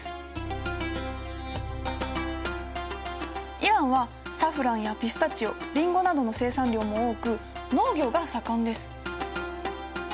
イランはサフランやピスタチオリンゴなどの生産量も多く農業が盛んです。